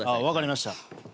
分かりました。